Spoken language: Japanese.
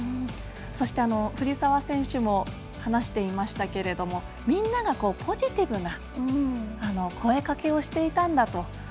そして、藤澤選手も話していましたけれどもみんなが、ポジティブな声がけをしていたんだと。